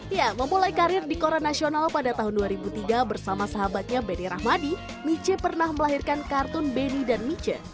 ya memulai karir di koran nasional pada tahun dua ribu tiga bersama sahabatnya benny rahmadi miche pernah melahirkan kartun benny dan miche